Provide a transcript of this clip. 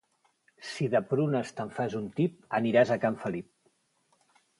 Si de prunes te'n fas un tip, aniràs a can Felip.